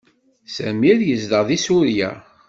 Sami yezdeɣ deg Surya.